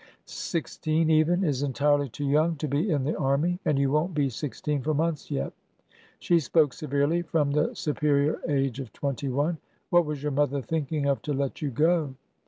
Sixteen, even, is entirely too young to be in the army ; and you won't be sixteen for months yet." She spoke severely, from the superior age of twenty one. What was your mother thinking of to let you go